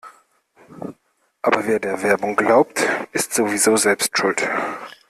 Aber wer der Werbung glaubt, ist sowieso selbst schuld.